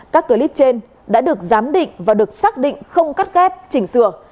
các clip trên đã được giám định và được xác định không cắt ghép chỉnh sửa